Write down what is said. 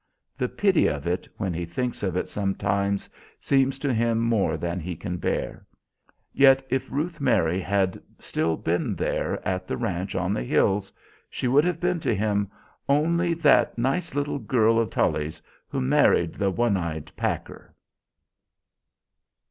The pity of it, when he thinks of it sometimes, seems to him more than he can bear. Yet if Ruth Mary had still been there at the ranch on the hills, she would have been, to him, only "that nice little girl of Tully's who married the one eyed packer."